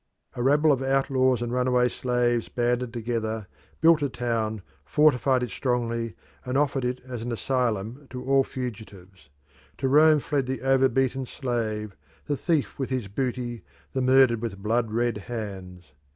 A rabble of outlaws and runaway slaves banded together, built a town, fortified it strongly, and offered it as an asylum to all fugitives. To Rome fled the over beaten slave, the thief with his booty, the murdered with blood red hands.